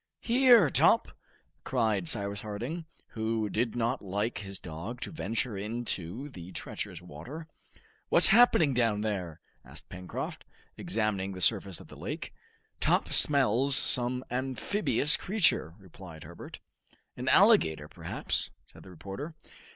"Here, Top!" cried Cyrus Harding, who did not like his dog to venture into the treacherous water. "What's happening down there?" asked Pencroft, examining the surface of the lake. "Top smells some amphibious creature," replied Herbert. "An alligator, perhaps," said the reporter.